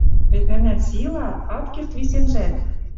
Вет мӓмнӓн сила — ат керд висенжӓт.